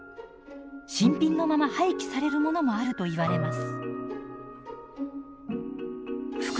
新品のまま廃棄されるものもあるといわれます。